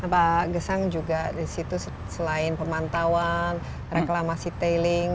pak gesang juga disitu selain pemantauan reklamasi tiling